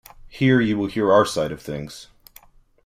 Here you will hear our side of things.